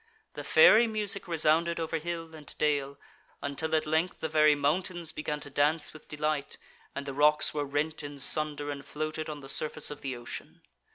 The fairy music resounded over hill and dale, until at length the very mountains began to dance with delight, and the rocks were rent in sunder and floated on the surface of the ocean.